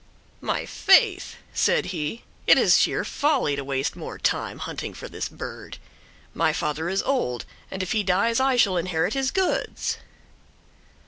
"My faith," said he, "it is sheer folly to waste more time hunting for this bird. My father is old, and if he dies I shall inherit his goods."